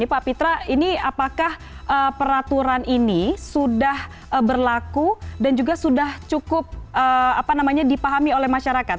pak pitra ini apakah peraturan ini sudah berlaku dan juga sudah cukup dipahami oleh masyarakat